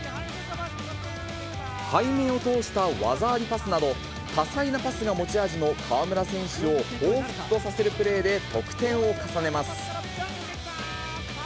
背面を通した技ありパスなど、多彩なパスが持ち味の河村選手をほうふつとさせるプレーで得点を重ねます。